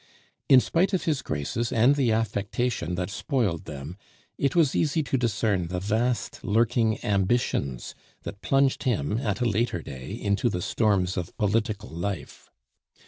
In spite of his graces and the affectation that spoiled them, it was easy to discern the vast, lurking ambitions that plunged him at a later day into the storms of political life.